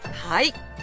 はい！